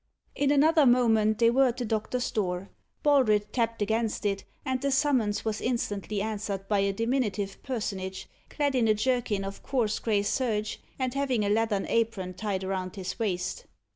In another moment they were at the doctor's door. Baldred tapped against it, and the summons was instantly answered by a diminutive personage, clad in a jerkin of coarse grey serge, and having a leathern apron tied round his waist.